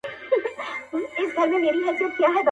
پر هر ګام باندي لحد او کفن زما دی!